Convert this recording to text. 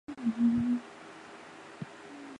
直萼虎耳草为虎耳草科虎耳草属下的一个种。